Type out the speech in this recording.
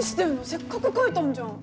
せっかく書いたんじゃん。